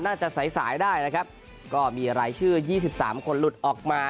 น่าจะสายสายได้นะครับก็มีรายชื่อยี่สิบสามคนหลุดออกมา